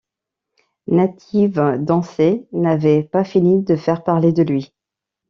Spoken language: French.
Native Dancer n'avait pas fini de faire parler de lui.